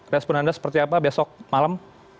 respon anda seperti apa besok malam